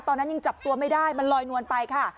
ตอนนั้นยังจับตัวไม่ได้มันลอยนวลไปค่ะ